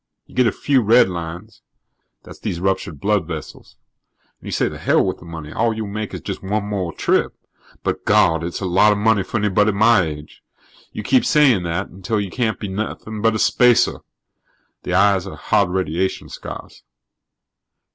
You get a few redlines that's these ruptured blood vessels and you say the hell with the money; all you'll make is just one more trip. But, God, it's a lot of money for anybody my age! You keep saying that until you can't be anything but a spacer. The eyes are hard radiation scars."